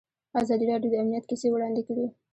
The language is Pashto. ازادي راډیو د امنیت کیسې وړاندې کړي.